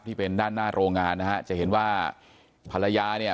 ที่เป็นด้านหน้าโรงงานนะฮะจะเห็นว่าภรรยาเนี่ย